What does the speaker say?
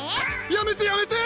やめてやめて！